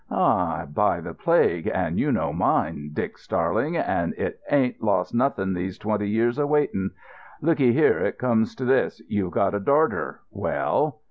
"Aye, by the plague, and you know mine, Dick Starling, and it ain't lost nothing these twenty years of waiting. Look 'ee here, it comes to this. You've got a darter. Well."